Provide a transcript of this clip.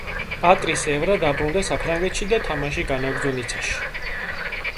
პატრის ევრა დაბრუნდა საფრანგეთში და თამაში განაგრძო ნიცაში.